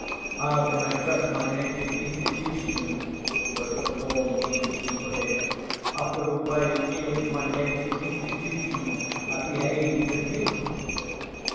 "How can I trust my native institutions," was the form in which he put it, "after the way in which my native institutions have behaved to _me?